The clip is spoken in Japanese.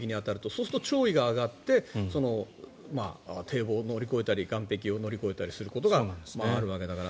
そうすると潮位が上がって堤防を乗り越えたり岸壁を乗り越えたりすることがあるわけだから。